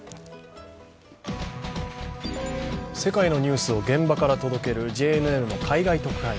世界のニュースを現場から届けるＪＮＮの海外特派員。